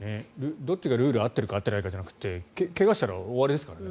どっちがルール合ってるか合ってないかじゃなく怪我したら終わりですからね。